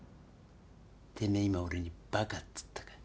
てめえ今俺にバカっつったか？